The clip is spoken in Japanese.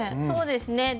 そうですね。